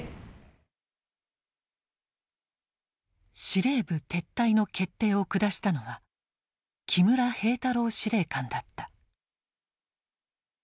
司令部撤退の決定を下したのは木村兵太郎司令官だった。